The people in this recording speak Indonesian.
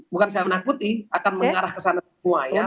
bukan saya menakuti akan mengarah ke sana semua ya